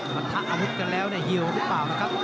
มาทะอาวุธกี่แล้วนะฮิวหรือเปล่านะครับ